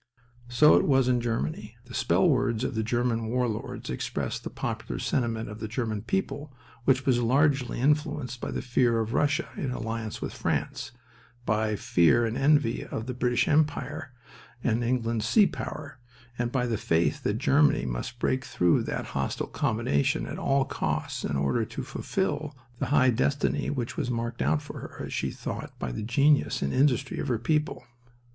So it was in Germany. The spell words of the German war lords expressed the popular sentiment of the German people, which was largely influenced by the fear of Russia in alliance with France, by fear and envy of the British Empire and England's sea power, and by the faith that Germany must break through that hostile combination at all costs in order to fulfil the high destiny which was marked out for her, as she thought, by the genius and industry of her people.